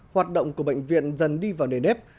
hoạt động của bệnh viện dần đi vào nề nếp